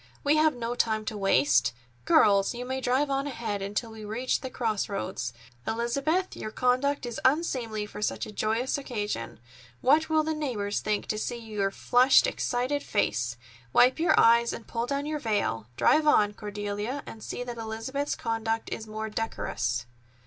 "We have no time to waste. Girls, you may drive on ahead until we reach the cross roads. Elizabeth, your conduct is unseemly for such a joyous occasion. What will the neighbors think to see your flushed, excited face? Wipe your eyes and pull down your veil. Drive on, Cordelia, and see that Elizabeth's conduct is more decorous."